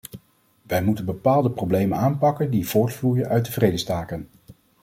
Wij moeten bepaalde problemen aanpakken die voortvloeien uit de vredestaken.